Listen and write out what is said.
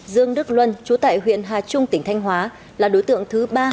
dương đức luân chú tại huyện hà trung tỉnh thanh hóa là đối tượng thứ ba